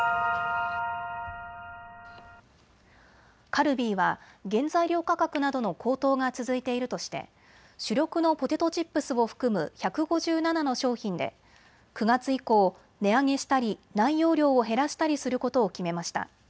カルビーは原材料価格などの高騰が続いているとして主力のポテトチップスを含む１５７の商品で９月以降、値上げしたり内容量を減らしたりすることを決めました。